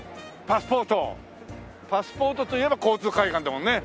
パスポートといえば交通会館だもんね。